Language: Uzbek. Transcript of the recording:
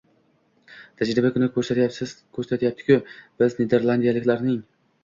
Tajriba shuni ko‘rsatyaptiki, biz niderlandiyaliklarning